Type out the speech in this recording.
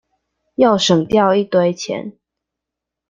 又省掉一堆錢